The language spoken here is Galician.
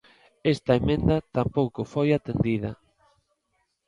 Esta emenda tampouco foi atendida.